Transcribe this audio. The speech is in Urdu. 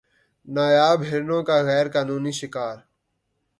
نایاب ہرنوں کا غیر قانونی شکار